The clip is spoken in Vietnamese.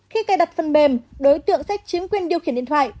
khi cài đặt phân mêm đối tượng sẽ chính quyền điều khiển điện thoại